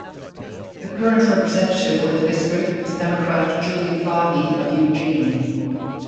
The current representative for the district is Democrat Julie Fahey of Eugene.